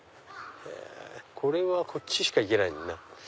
これはこっちしか行けないもんね。